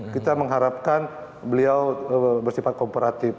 kita mengharapkan beliau bersifat komporatif